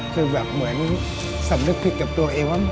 คือแบบเหมือนสำนึกผิดกับตัวเองว่า